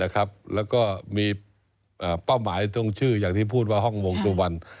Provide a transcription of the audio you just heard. แล้วก็มีเป้าหมายตรงชื่ออย่างที่พูดว่าห้องวงสุวรรณ